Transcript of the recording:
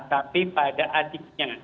tapi pada adiknya